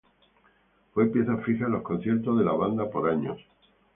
Fue pieza fija en los conciertos de la banda por años.